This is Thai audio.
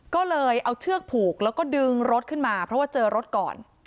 ก็เลยเอาเชือกผูกแล้วก็ดึงรถขึ้นมาเพราะว่าเจอรถก่อน